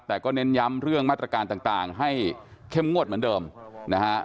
แต่ก็เน้นย้ำเรื่องมาตรการต่างให้เข้มงวดเหมือนเดิมนะฮะ